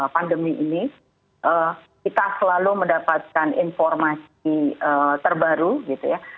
pandemi ini kita selalu mendapatkan informasi terbaru gitu ya